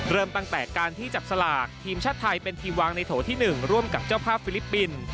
เริ่มตั้งแต่การที่จับสลากทีมชาติไทยเป็นทีมวางในโถที่๑ร่วมกับเจ้าภาพฟิลิปปินส์